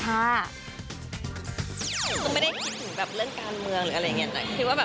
คือไม่ได้คิดถึงแบบเรื่องการเมืองหรืออะไรอย่างนี้